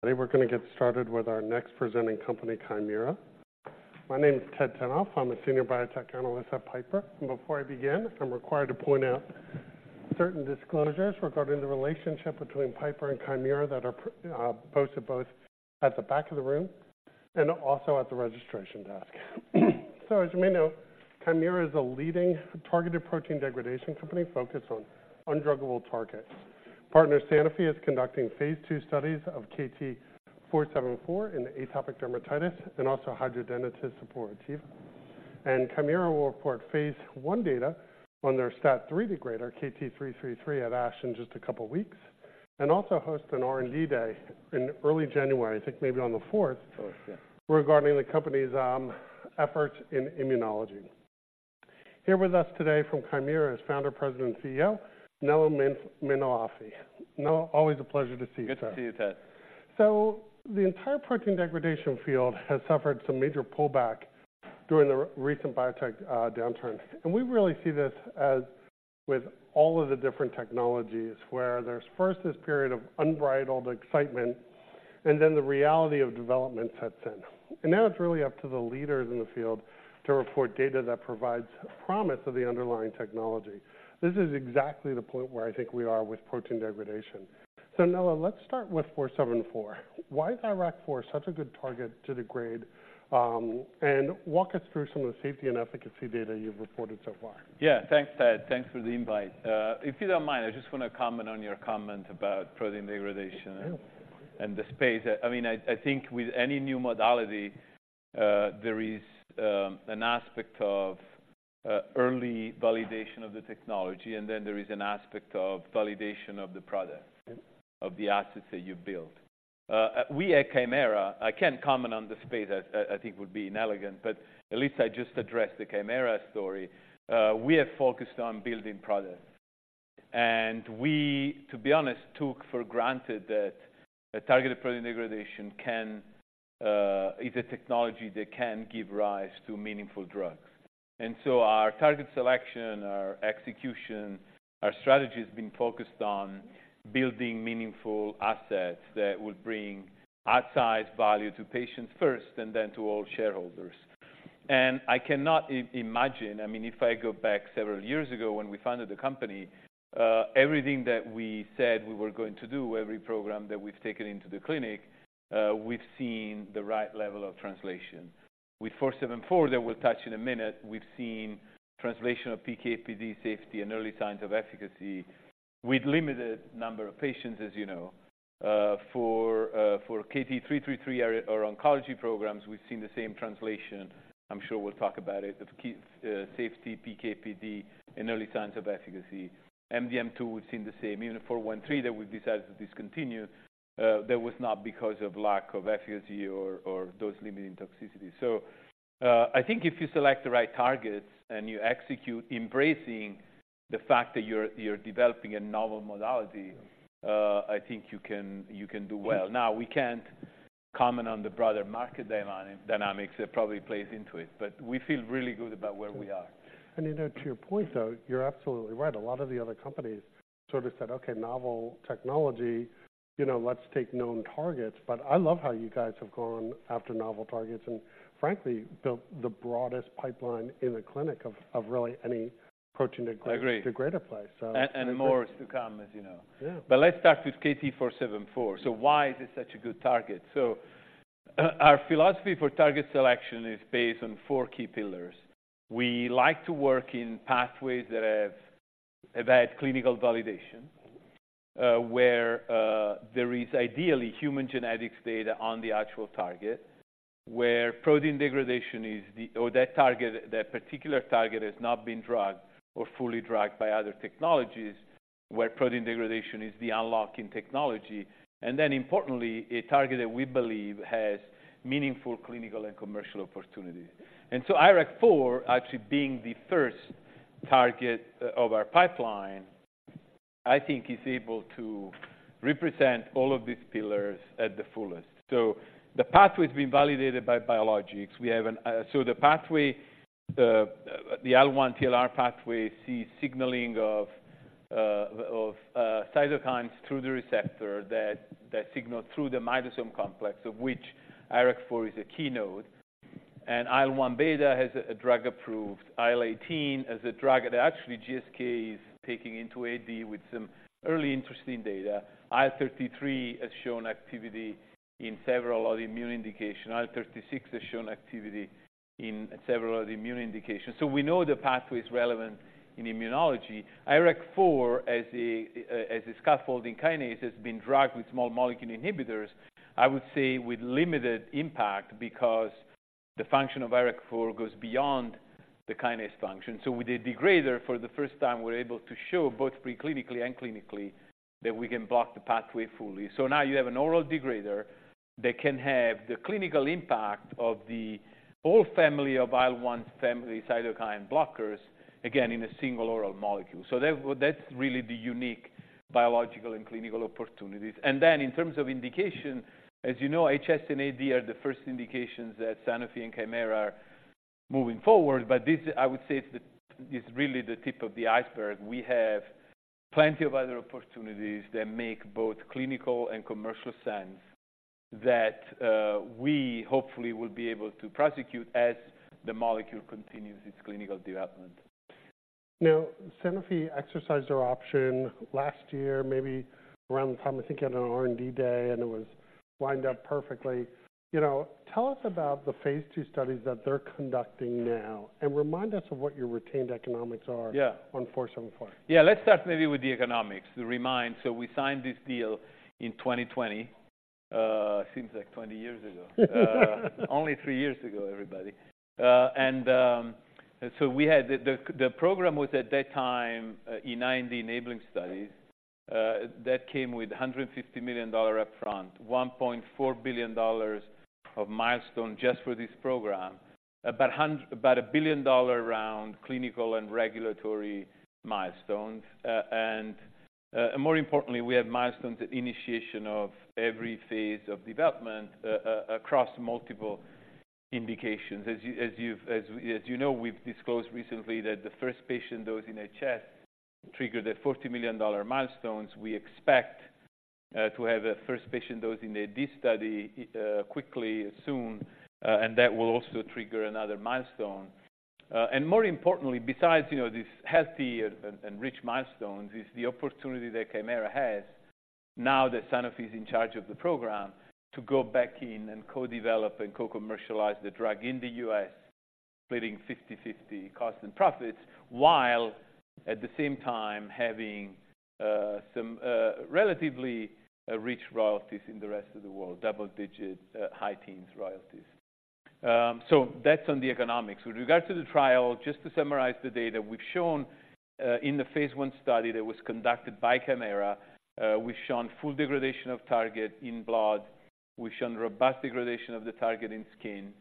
Today, we're gonna get started with our next presenting company, Kymera. My name is Ted Tenthoff. I'm a senior biotech analyst at Piper. And before I begin, I'm required to point out certain disclosures regarding the relationship between Piper and Kymera that are posted both at the back of the room and also at the registration desk. So as you may know, Kymera is a leading targeted protein degradation company focused on undruggable targets. Partner Sanofi is conducting phase II studies of KT-474 in atopic dermatitis and also hidradenitis suppurativa. And Kymera will report phase I data on their STAT3 degrader, KT-333, at ASH in just a couple of weeks, and also host an R&D day in early January, I think maybe on the 4th- Fourth, yeah. Regarding the company's efforts in immunology. Here with us today from Kymera is Founder, President, and CEO, Nello Mainolfi. Nello, always a pleasure to see you, sir. Good to see you, Ted. So the entire protein degradation field has suffered some major pullback during the recent biotech downturn. And we really see this as with all of the different technologies, where there's first this period of unbridled excitement, and then the reality of development sets in. And now it's really up to the leaders in the field to report data that provides promise of the underlying technology. This is exactly the point where I think we are with protein degradation. So Nello, let's start with 474. Why is IRAK4 such a good target to degrade, and walk us through some of the safety and efficacy data you've reported so far. Yeah, thanks, Ted. Thanks for the invite. If you don't mind, I just want to comment on your comment about protein degradation- Sure. - and the space. I mean, I think with any new modality, there is an aspect of early validation of the technology, and then there is an aspect of validation of the product- Yes... of the assets that you build. We at Kymera, I can't comment on the space, I think it would be inelegant, but at least I just address the Kymera story. We are focused on building products, and we, to be honest, took for granted that a targeted protein degradation can, is a technology that can give rise to meaningful drugs. And so our target selection, our execution, our strategy has been focused on building meaningful assets that would bring outsized value to patients first and then to all shareholders. And I cannot imagine... I mean, if I go back several years ago when we founded the company, everything that we said we were going to do, every program that we've taken into the clinic, we've seen the right level of translation. With KT-474, that we'll touch in a minute, we've seen translation of PK, PD, safety, and early signs of efficacy with limited number of patients, as you know. For KT-333, our oncology programs, we've seen the same translation. I'm sure we'll talk about it, of key safety, PK, PD, and early signs of efficacy. MDM2, we've seen the same. Even for KT-413 that we've decided to discontinue, that was not because of lack of efficacy or dose-limiting toxicity. So, I think if you select the right targets and you execute embracing the fact that you're developing a novel modality, I think you can do well. Now, we can't comment on the broader market dynamics that probably plays into it, but we feel really good about where we are. And, you know, to your point, though, you're absolutely right. A lot of the other companies sort of said, "Okay, novel technology, you know, let's take known targets." But I love how you guys have gone after novel targets and frankly, built the broadest pipeline in the clinic of really any protein degrader- I agree. degrader place, so. More is to come, as you know. Yeah. But let's start with KT-474. So why is it such a good target? So, our philosophy for target selection is based on four key pillars. We like to work in pathways that have had clinical validation, where there is ideally human genetics data on the actual target, where protein degradation is the, or that target, that particular target has not been drugged or fully drugged by other technologies, where protein degradation is the unlocking technology, and then importantly, a target that we believe has meaningful clinical and commercial opportunity. And so IRAK4, actually being the first target of our pipeline, I think is able to represent all of these pillars at the fullest. So the pathway's been validated by biologics. We have an... So the pathway, the IL-1 TLR pathway, sees signaling of cytokines through the receptor, that signal through the myddosome complex, of which IRAK4 is a key node, and IL-1 beta has a drug approved, IL-18 has a drug that actually GSK is taking into AD with some early interesting data. IL-33 has shown activity in several other immune indications. IL-36 has shown activity in several other immune indications. So we know the pathway is relevant in immunology. IRAK4, as a scaffolding kinase, has been drugged with small molecule inhibitors, I would say, with limited impact because the function of IRAK4 goes beyond the kinase function. So with a degrader, for the first time, we're able to show both preclinically and clinically, that we can block the pathway fully. So now you have an oral degrader that can have the clinical impact of the whole family of IL-1 family cytokine blockers, again, in a single oral molecule. So that's really the unique biological and clinical opportunities. And then in terms of indication, as you know, HS and AD are the first indications that Sanofi and Kymera are moving forward. But this, I would say, is the, is really the tip of the iceberg. We have plenty of other opportunities that make both clinical and commercial sense that, we hopefully will be able to prosecute as the molecule continues its clinical development. Now, Sanofi exercised their option last year, maybe around the time, I think, you had an R&D day, and it was lined up perfectly. You know, tell us about the phase II studies that they're conducting now, and remind us of what your retained economics are- Yeah. -on 474. Yeah, let's start maybe with the economics, to remind. So we signed this deal in 2020. Seems like 20 years ago. Only three years ago, everybody. And so we had the program was at that time in nine enabling studies that came with a $150 million upfront, $1.4 billion of milestone just for this program. About a $1 billion-dollar around clinical and regulatory milestones. And more importantly, we have milestones at initiation of every phase of development across multiple indications. As you know, we've disclosed recently that the first patient dose in HS triggered a $40 million dollar milestones. We expect to have a first patient dose in the AD study quickly, soon, and that will also trigger another milestone. And more importantly, besides, you know, this healthy and rich milestones, is the opportunity that Kymera has now that Sanofi is in charge of the program, to go back in and co-develop and co-commercialize the drug in the US, splitting 50/50 costs and profits, while at the same time having, some, relatively, rich royalties in the rest of the world, double-digit, high teens royalties. So that's on the economics. With regard to the trial, just to summarize the data we've shown, in the phase I study that was conducted by Kymera, we've shown full degradation of target in blood. We've shown robust degradation of the target in skin.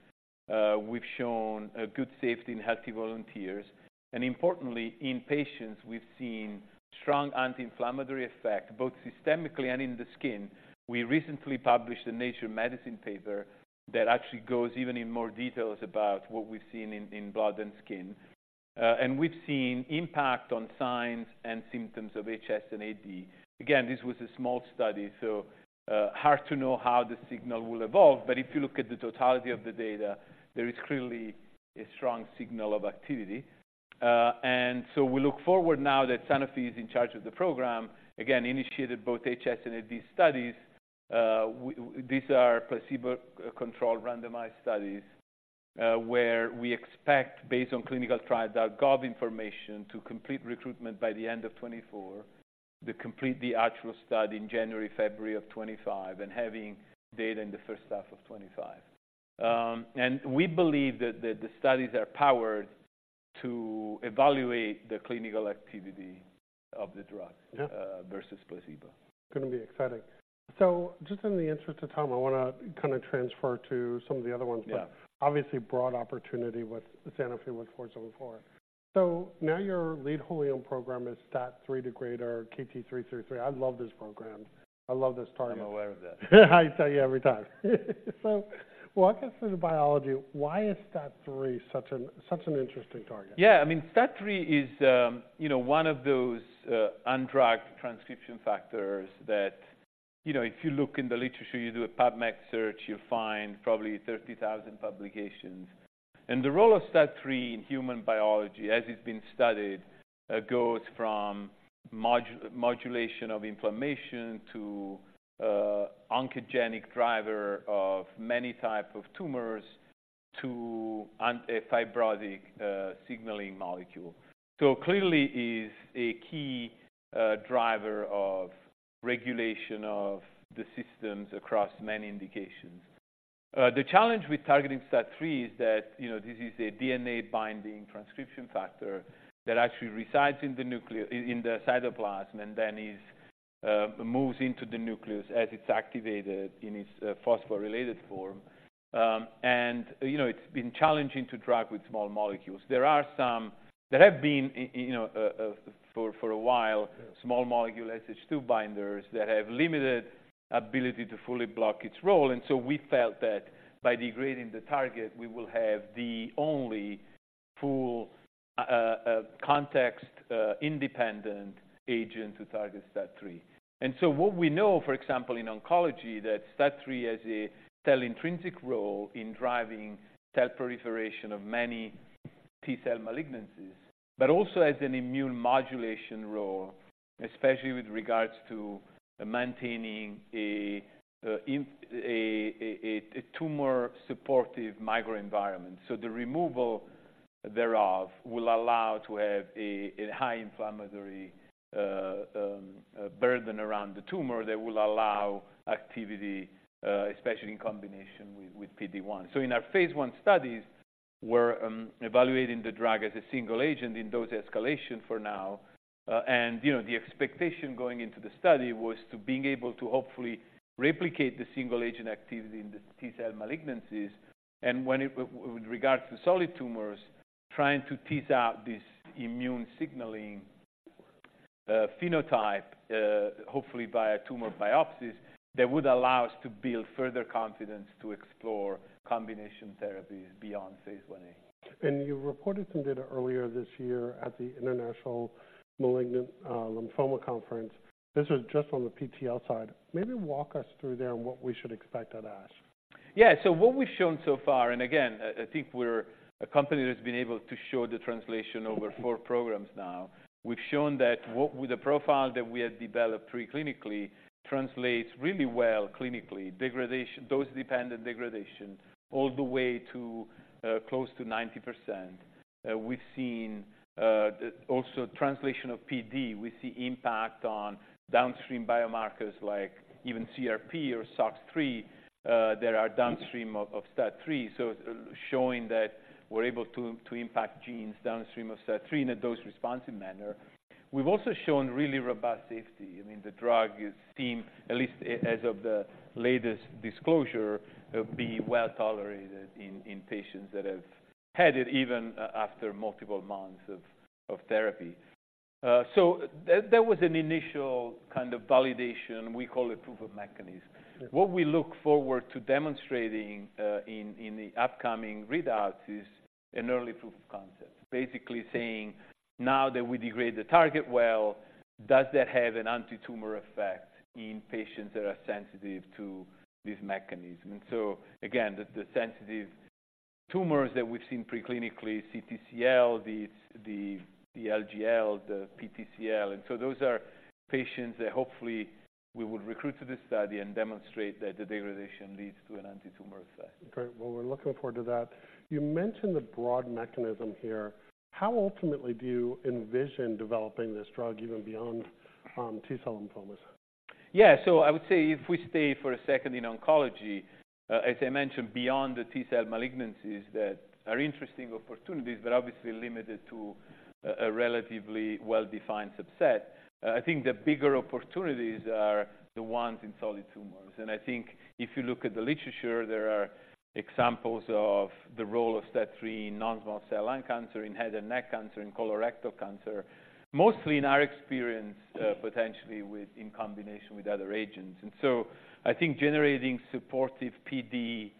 We've shown a good safety in healthy volunteers, and importantly, in patients, we've seen strong anti-inflammatory effect, both systemically and in the skin. We recently published a Nature Medicine paper that actually goes even in more details about what we've seen in blood and skin. And we've seen impact on signs and symptoms of HS and AD. Again, this was a small study, so hard to know how the signal will evolve, but if you look at the totality of the data, there is clearly a strong signal of activity. And so we look forward now that Sanofi is in charge of the program, again, initiated both HS and AD studies. These are placebo-controlled randomized studies, where we expect, based on clinicaltrials.gov information, to complete recruitment by the end of 2024, to complete the actual study in January, February of 2025, and having data in the first half of 2025. We believe that the studies are powered to evaluate the clinical activity of the drug- Yeah. versus placebo. It's gonna be exciting. Just in the interest of time, I wanna kinda transfer to some of the other ones. Yeah. But obviously, broad opportunity with Sanofi, with KT-474. So now your lead wholly-owned program is STAT3 degrader, KT-333. I love this program. I love this target. I'm aware of that. I tell you every time. So walk us through the biology. Why is STAT3 such an, such an interesting target? Yeah, I mean, STAT3 is, you know, one of those, undrugged transcription factors that, you know, if you look in the literature, you do a PubMed search, you'll find probably 30,000 publications. The role of STAT3 in human biology, as it's been studied, goes from modulation of inflammation to, oncogenic driver of many type of tumors to a fibrotic, signaling molecule. Clearly is a key, driver of regulation of the systems across many indications. The challenge with targeting STAT3 is that, you know, this is a DNA-binding transcription factor that actually resides in the nucleus. In the cytoplasm and then is, moves into the nucleus as it's activated in its, phosphorylated form. And, you know, it's been challenging to track with small molecules. There are some, there have been, you know, for a while- Yeah... small molecule SH2 binders that have limited ability to fully block its role, and so we felt that by degrading the target, we will have the only full context independent agent to target STAT3. And so what we know, for example, in oncology, that STAT3 has a cell-intrinsic role in driving cell proliferation of many T-cell malignancies, but also has an immune modulation role, especially with regards to maintaining a tumor supportive microenvironment. So the removal thereof will allow to have a high inflammatory burden around the tumor that will allow activity, especially in combination with PD-1. So in our phase I studies, we're evaluating the drug as a single agent in dose escalation for now, and, you know, the expectation going into the study was to being able to hopefully replicate the single agent activity in the T-cell malignancies, and when it with regard to solid tumors, trying to tease out this immune signaling phenotype hopefully by a tumor biopsies that would allow us to build further confidence to explore combination therapies beyond phase IA. You reported some data earlier this year at the International Malignant Lymphoma Conference. This was just on the PTL side. Maybe walk us through there and what we should expect at ASH. Yeah. So what we've shown so far, and again, I think we're a company that's been able to show the translation over four programs now. We've shown that what with the profile that we had developed pre-clinically translates really well clinically, degradation, dose-dependent degradation, all the way to close to 90%. We've seen also translation of PD. We see impact on downstream biomarkers like even CRP or SOCS3 that are downstream of STAT3, so showing that we're able to impact genes downstream of STAT3 in a dose-responsive manner. We've also shown really robust safety. I mean, the drug is seen, at least as of the latest disclosure, be well tolerated in patients that have had it even after multiple months of therapy. So there was an initial kind of validation. We call it proof of mechanism. Sure. What we look forward to demonstrating in the upcoming readouts is an early proof of concept. Basically saying, now that we degrade the target well, does that have an anti-tumor effect in patients that are sensitive to this mechanism? So again, the sensitive tumors that we've seen pre-clinically, CTCL, the LGL, the PTCL, and so those are patients that hopefully we would recruit to this study and demonstrate that the degradation leads to an anti-tumor effect. Great. Well, we're looking forward to that. You mentioned the broad mechanism here. How ultimately do you envision developing this drug even beyond, T-cell lymphomas? Yeah. So I would say if we stay for a second in oncology, as I mentioned, beyond the T-cell malignancies that are interesting opportunities, but obviously limited to a relatively well-defined subset. I think the bigger opportunities are the ones in solid tumors. And I think if you look at the literature, there are examples of the role of STAT3 in non-small cell lung cancer, in head and neck cancer, in colorectal cancer, mostly in our experience, potentially in combination with other agents. And so I think generating supportive PD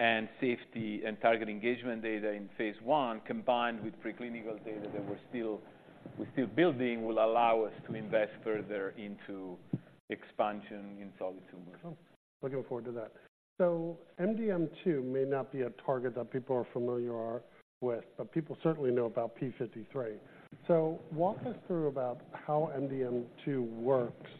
and safety and target engagement data in phase I, combined with preclinical data that we're still building, will allow us to invest further into expansion in solid tumors. Looking forward to that. So MDM2 may not be a target that people are familiar with, but people certainly know about p53. So walk us through about how MDM2 works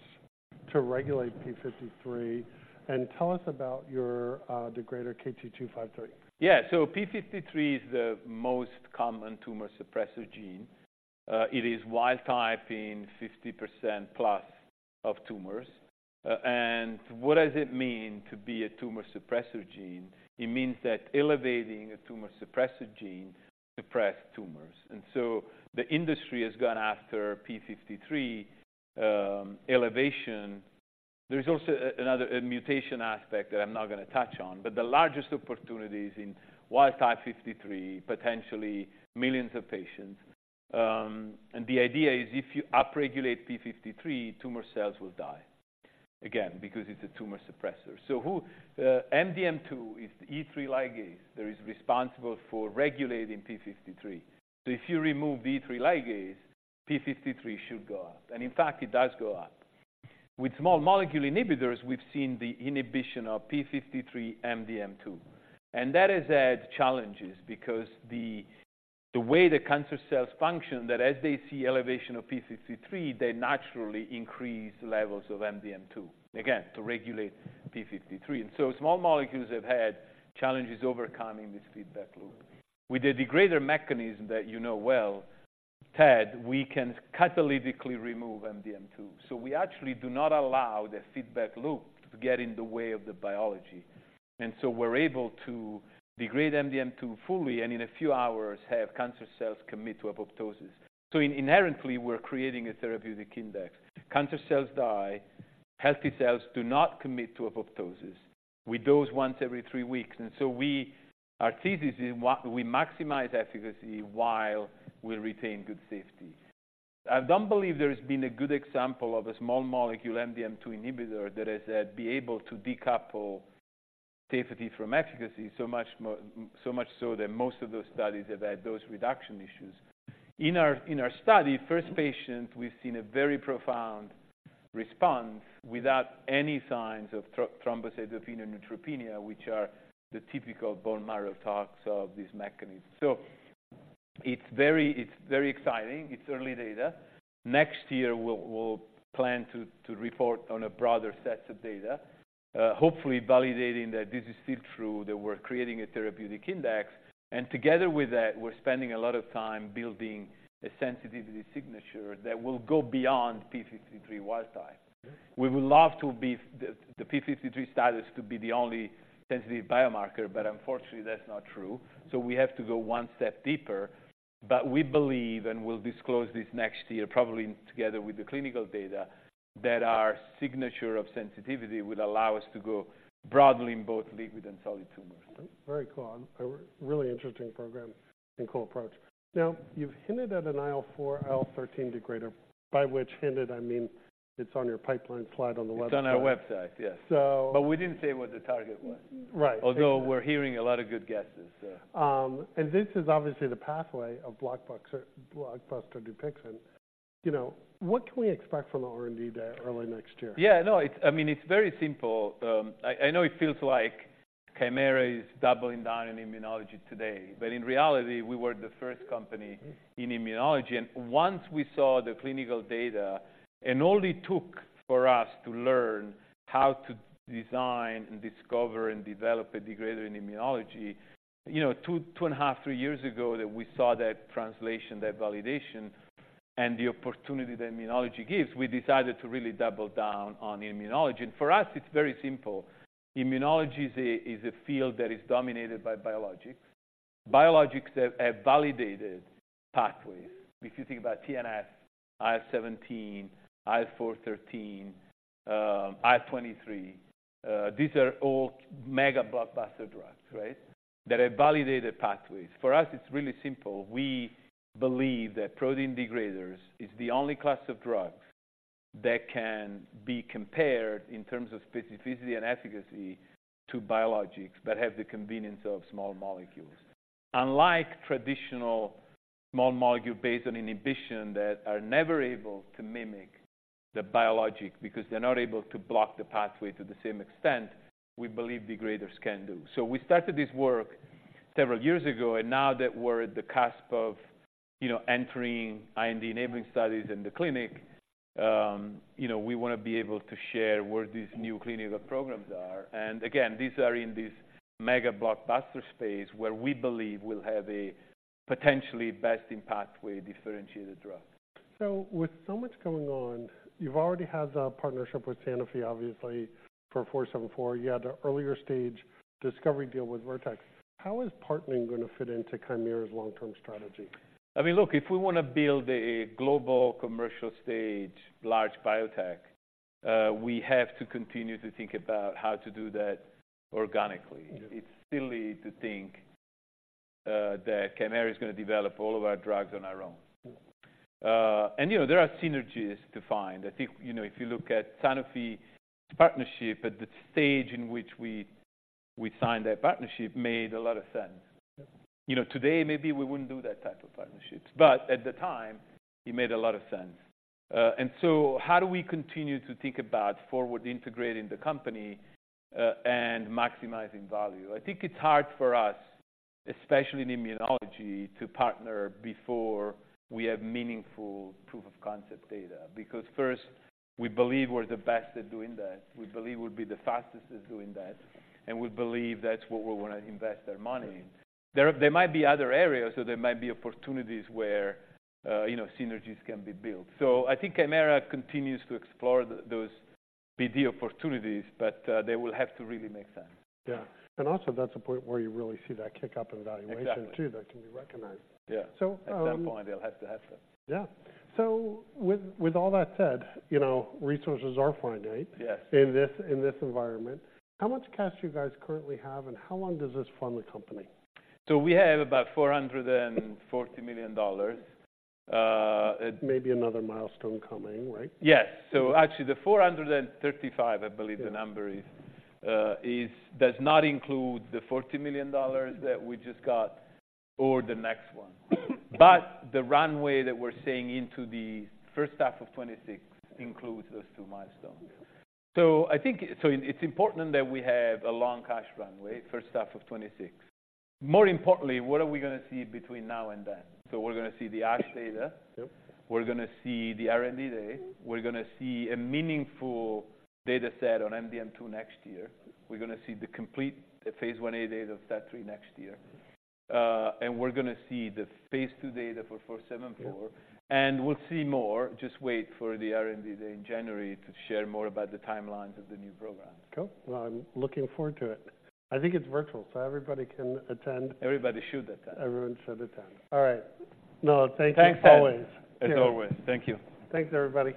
to regulate p53, and tell us about your degrader KT-253. Yeah. So p53 is the most common tumor suppressor gene. It is wild type in 50%+ of tumors. And what does it mean to be a tumor suppressor gene? It means that elevating a tumor suppressor gene, suppress tumors, and so the industry has gone after p53 elevation. There's also another mutation aspect that I'm not gonna touch on, but the largest opportunity is in wild type p53, potentially millions of patients. And the idea is, if you upregulate p53, tumor cells will die, again, because it's a tumor suppressor. So, MDM2 is the E3 ligase that is responsible for regulating p53. So if you remove the E3 ligase, p53 should go up, and in fact, it does go up. With small molecule inhibitors, we've seen the inhibition of p53 MDM2, and that has had challenges because the way the cancer cells function, that as they see elevation of p53, they naturally increase levels of MDM2, again, to regulate p53. And so small molecules have had challenges overcoming this feedback loop. With the degrader mechanism that you know well, Ted, we can catalytically remove MDM2. So we actually do not allow the feedback loop to get in the way of the biology, and so we're able to degrade MDM2 fully, and in a few hours, have cancer cells commit to apoptosis. So inherently, we're creating a therapeutic index. Cancer cells die, healthy cells do not commit to apoptosis. We dose once every three weeks, and so our thesis is we maximize efficacy while we retain good safety. I don't believe there's been a good example of a small molecule MDM2 inhibitor that has be able to decouple safety from efficacy, so much so that most of those studies have had dose reduction issues. In our study, first patient, we've seen a very profound response without any signs of thrombocytopenia, neutropenia, which are the typical bone marrow toxicities of this mechanism. So it's very exciting. It's early data. Next year, we'll plan to report on a broader set of data, hopefully validating that this is still true, that we're creating a therapeutic index, and together with that, we're spending a lot of time building a sensitivity signature that will go beyond p53 wild type. Okay. We would love to be the p53 status to be the only sensitive biomarker, but unfortunately, that's not true. So we have to go one step deeper. But we believe, and we'll disclose this next year, probably together with the clinical data, that our signature of sensitivity will allow us to go broadly in both liquid and solid tumors. Very cool, and a really interesting program and cool approach. Now, you've hinted at an IL-4, IL-13 degrader, by which hinted, I mean, it's on your pipeline slide on the website. It's on our website, yes. So- But we didn't say what the target was. Right. Although we're hearing a lot of good guesses, so. This is obviously the pathway of blockbuster, blockbuster Dupixent. You know, what can we expect from the R&D Day early next year? Yeah, no, it's. I mean, it's very simple. I know it feels like Kymera is doubling down in immunology today, but in reality, we were the first company in immunology. And once we saw the clinical data, and all it took for us to learn how to design and discover and develop a degrader in immunology, you know, 2, 2.5, 3 years ago, that we saw that translation, that validation and the opportunity that immunology gives, we decided to really double down on immunology. And for us, it's very simple. Immunology is a field that is dominated by biologics. Biologics have validated pathways. If you think about TNF, IL-17, IL-4, IL-13, IL-23, these are all mega blockbuster drugs, right? That are validated pathways. For us, it's really simple. We believe that protein degraders is the only class of drugs that can be compared in terms of specificity and efficacy to biologics, but have the convenience of small molecules. Unlike traditional small molecule based on inhibition, that are never able to mimic the biologic because they're not able to block the pathway to the same extent, we believe degraders can do. So we started this work several years ago, and now that we're at the cusp of, you know, entering IND-enabling studies in the clinic, you know, we want to be able to share where these new clinical programs are. And again, these are in this mega blockbuster space, where we believe we'll have a potentially best-in-pathway differentiated drug. So with so much going on, you've already had the partnership with Sanofi, obviously, for KT-474. You had an earlier stage discovery deal with Vertex. How is partnering going to fit into Kymera's long-term strategy? I mean, look, if we want to build a global commercial stage, large biotech, we have to continue to think about how to do that organically. Yeah. It's silly to think that Kymera is going to develop all of our drugs on our own. Mm. You know, there are synergies to find. I think, you know, if you look at Sanofi partnership at the stage in which we signed that partnership, made a lot of sense. Yep. You know, today, maybe we wouldn't do that type of partnerships, but at the time, it made a lot of sense. And so how do we continue to think about forward integrating the company, and maximizing value? I think it's hard for us, especially in immunology, to partner before we have meaningful proof of concept data. Because first, we believe we're the best at doing that, we believe we'll be the fastest at doing that, and we believe that's where we want to invest our money. Right. There might be other areas, or there might be opportunities where, you know, synergies can be built. So I think Kymera continues to explore those BD opportunities, but, they will have to really make sense. Yeah. And also, that's a point where you really see that kick up in valuation- Exactly... too, that can be recognized. Yeah. So, um- At some point, they'll have to have that. Yeah. So with, with all that said, you know, resources are finite- Yes... in this, in this environment. How much cash do you guys currently have, and how long does this fund the company? So we have about $440 million. Maybe another milestone coming, right? Yes. So actually, the 435, I believe the number is- Yeah... does not include the $40 million that we just got or the next one. But the runway that we're seeing into the first half of 2026 includes those two milestones. Yeah. So I think, so it's important that we have a long cash runway, first half of 2026. More importantly, what are we going to see between now and then? We're going to see the ASH data. Yep. We're going to see the R&D Day. We're going to see a meaningful data set on MDM2 next year. We're going to see the complete phase IA data of STAT3 next year. And we're going to see the phase II data for 474. Yeah. We'll see more, just wait for the R&D Day in January to share more about the timelines of the new programs. Cool. Well, I'm looking forward to it. I think it's virtual, so everybody can attend. Everybody should attend. Everyone should attend. All right. No, thank you, as always. As always. Thank you. Thanks, everybody.